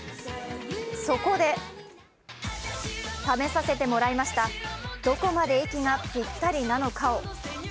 そこで試させてもらいました、どこまで息がぴったりなのかを。